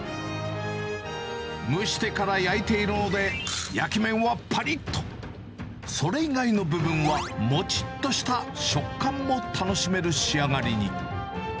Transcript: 蒸してから焼いているので、焼き面はぱりっと、それ以外の部分はもちっとした食感も楽しめる仕上がりに。